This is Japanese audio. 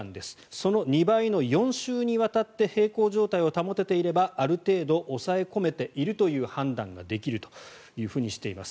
その２倍の４週にわたって平衡状態を保てていればある程度、抑え込めているという判断ができるとしています。